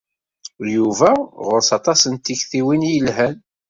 Yuba ɣur-s aṭas n tektiwin i yelhan.